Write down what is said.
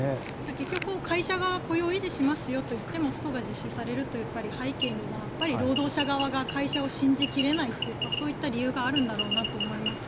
結局、会社側が雇用を維持しますよと言ってもストが実施されるという背景には労働者側が会社を信じ切れないというそういった理由があるんだろうなと思います。